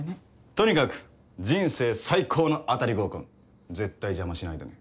とにかく人生最高の当たり合コン絶対邪魔しないでね。